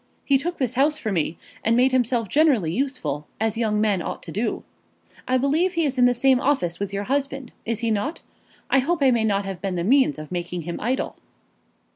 He took this house for me, and made himself generally useful, as young men ought to do. I believe he is in the same office with your husband; is he not? I hope I may not have been the means of making him idle?"